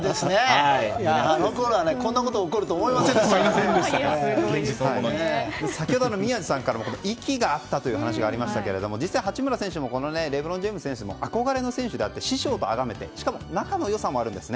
あのころはこんなことが起こるとは宮司さんから息が合ったという話がありましたが実際、八村選手もレブロン・ジェームズ選手も憧れの選手であって師匠とあがめてしかも仲の良さもあるんです。